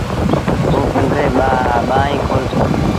توٚنٚ پنڊريٚݩ ٻآهيݩ کولس